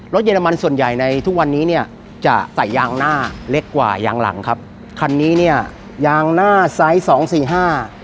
เยอรมันส่วนใหญ่ในทุกวันนี้เนี่ยจะใส่ยางหน้าเล็กกว่ายางหลังครับคันนี้เนี่ยยางหน้าไซส์สองสี่ห้า